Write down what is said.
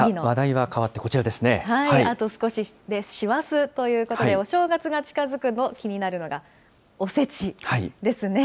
あと少しで師走ということで、お正月が近づくと気になるのが、おせちですね。